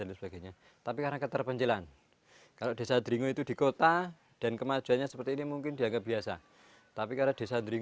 untuk menjadi pemandu yang bisa diandalkan